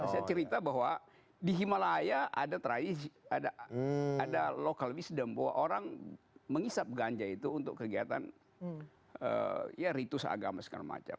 saya cerita bahwa di himalaya ada local wisdom bahwa orang mengisap ganja itu untuk kegiatan ya ritus agama segala macam